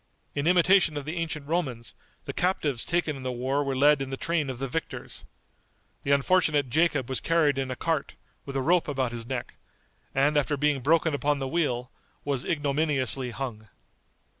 In imitation of the ancient Romans, the captives taken in the war were led in the train of the victors. The unfortunate Jacob was carried in a cart, with a rope about his neck, and after being broken upon the wheel was ignominiously hung.